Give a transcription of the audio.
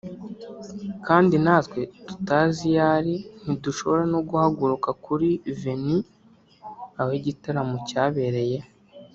kandi natwe tutazi iyo ari ntidushobora no guhaguruka kuri venue (aho igitaramo cyabereye)